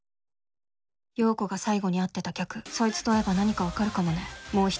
葉子が最後に会ってた客そいつと会えば何か分かるかもね。